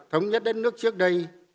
thống nhất đất nước trước đây